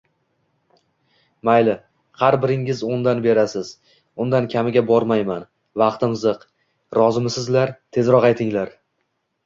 — Mayli. Har biringiz o’ndan berasiz, undan kamiga bormayman. Vaqtim ziq, rozimisizlar, tezroq aytinglar?